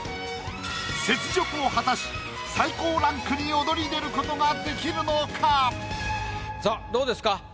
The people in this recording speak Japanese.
雪辱を果たし最高ランクに躍り出ることができるのか⁉さあどうですか？